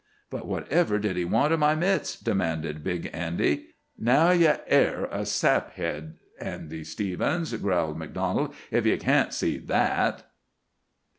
"But whatever did he want o' my mitts?" demanded Big Andy. "Now ye air a sap head, Andy Stevens," growled MacDonald, "ef ye can't see that!"